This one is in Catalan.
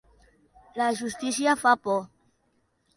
La justícia fa por.